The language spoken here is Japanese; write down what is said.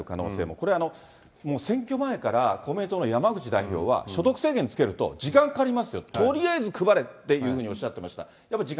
これ、選挙前から公明党の山口代表は所得制限つけると時間かかりますよ、とりあえず配れというふうにおっしゃってました。